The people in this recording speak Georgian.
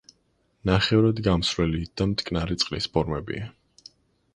ნახევრად გამსვლელი და მტკნარი წყლის ფორმებია.